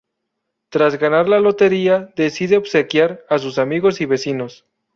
Tras ganar la lotería, decide obsequiar a sus amigos y vecinos.